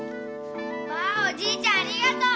わあおじいちゃんありがとう。